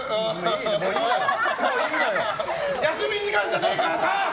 休み時間じゃないからさ！